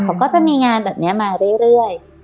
เขาก็จะมีงานแบบนี้มาเรื่อย